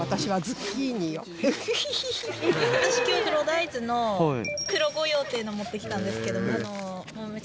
私今日黒大豆の黒五葉っていうの持ってきたんですけど。